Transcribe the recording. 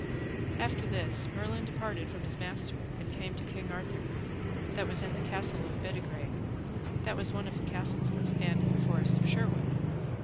After this Merlin departed from his master and came to King Arthur, that was in the castle of Bedegraine, that was one of the castles that stand in the forest of Sherwood.